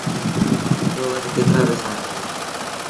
تو وٽ ڪيترآ پئيٚسآ هُݩدآ۔